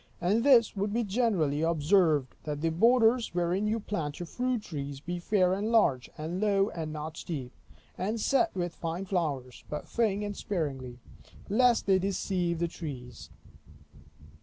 And this would be generally observed, that the borders wherein you plant your fruit trees, be fair and large, and low, and not steep; and set with fine flowers, but thin and sparingly, lest they deceive the trees.